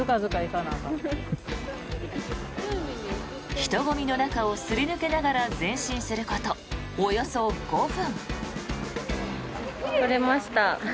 人混みの中をすり抜けながら前進すること、およそ５分。